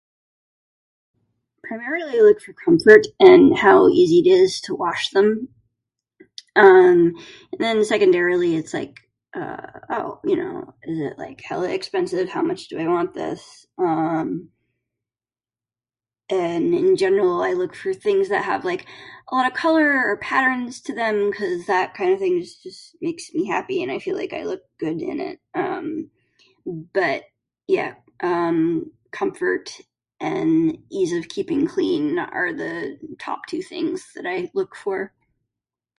"Primarily I look for comfort and how easy it is to wash them. Um, and then secondarily its like, uh, ""Oh, you know, is it like hella expensive, how much do I want this?"" Um, and in general I look for things that have like a lot of color or patterns to them cuz that kind of thing just just makes me happy and I feel like I look good in it. Um. But, yeah, um, comfort and ease of keeping clean are the top two things that I look for."